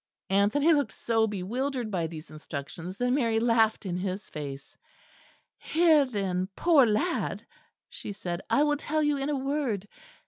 Anthony looked so bewildered by these instructions that Mary laughed in his face. "Here then, poor lad," she said, "I will tell you in a word.